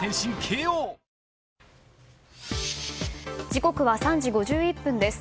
時刻は３時５１分です。